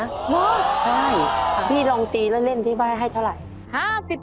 เหรอใช่พี่ลองตีแล้วเล่นที่บ้านให้เท่าไหร่